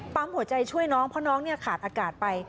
ปั๊มหัวใจช่วยน้องเพราะน้องขาดอากาศไป